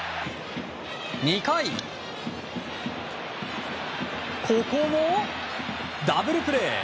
２回、ここもダブルプレー！